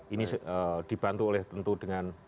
ini dibantu tentu dengan